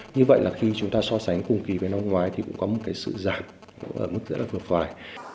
như vậy là khi chúng ta so sánh cùng kỳ với năm ngoái thì cũng có một cái sự giảm ở mức rất là vượt vài